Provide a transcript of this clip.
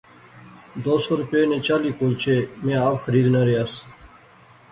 دو سو روپے نے چالی کلچے میں آپ خریزنا ریاس